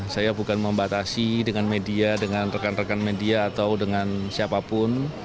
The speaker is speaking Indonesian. saya bukan membatasi dengan media dengan rekan rekan media atau dengan siapapun